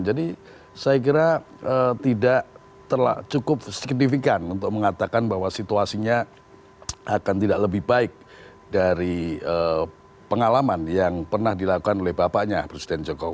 jadi saya kira tidak cukup signifikan untuk mengatakan bahwa situasinya akan tidak lebih baik dari pengalaman yang pernah dilakukan oleh bapaknya presiden jokowi